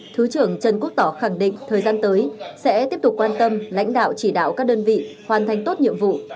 thứ trưởng trần quốc tỏ khẳng định thời gian tới sẽ tiếp tục quan tâm lãnh đạo chỉ đạo các đơn vị hoàn thành tốt nhiệm vụ